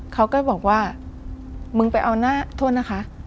เขาก็บอกว่ามึงไปเอาหน้าโทษนะคะ